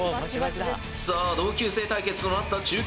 さあ同級生対決となった中堅戦。